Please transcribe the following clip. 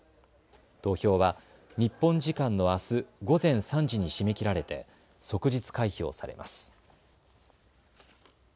投票は日本時間のあす午前３時に締め切られて即日開票されます。